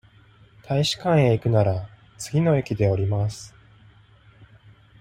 大使館へ行くなら、次の駅で降ります。